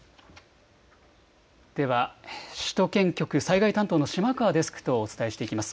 では首都圏局、災害担当の島川デスクとお伝えしていきます。